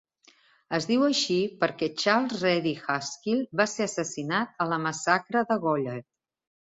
Es diu així per Charles Ready Haskell, que va ser assassinat a la massacre de Goliad.